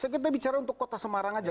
kita bicara untuk kota semarang aja